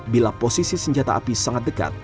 bila posisi senjata api sangat dekat